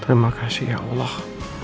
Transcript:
terima kasih ya allah